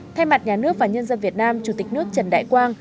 thay mặt nhà nước và nhân dân việt nam chủ tịch nước trần đại quang